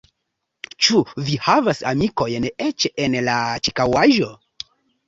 Ĉu vi havas amikojn eĉ en la ĉirkaŭaĵo?